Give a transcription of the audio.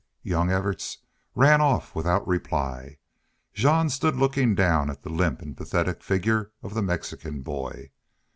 Young Evarts ran off without reply. Jean stood looking down at the limp and pathetic figure of the Mexican boy.